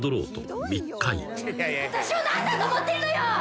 「私を何だと思ってるのよ！」